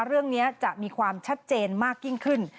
เรื่องนี้จะมีความชัดเจนมากยิ่งขึ้น